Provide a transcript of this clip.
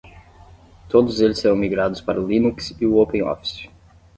Todos eles serão migrados para o Linux e o OpenOffice.